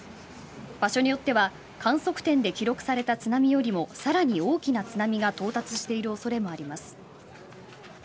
場所によっては観測点で記録された津波よりもさらに大きな津波が到達している恐れもあります。